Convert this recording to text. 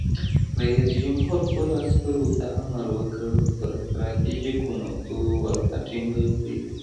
رئیس جمهور خپلو عسکرو ته امر وکړ؛ پر ستراتیژیکو نقطو ولکه ټینګه کړئ!